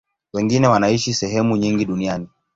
Wengine wanaishi sehemu nyingi duniani.